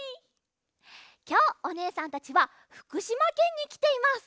きょうおねえさんたちはふくしまけんにきています！